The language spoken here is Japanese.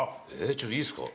ちょっといいですか？